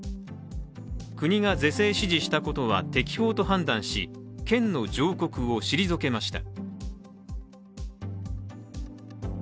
国が是正指示したことは適法と判断し県の上告を退けました。